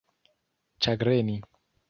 ĉagreni